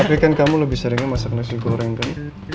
tapi kan kamu lebih seringnya masak nasi goreng kan